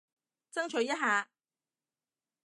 爭取一下